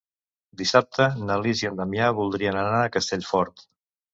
Dissabte na Lis i en Damià voldrien anar a Castellfort.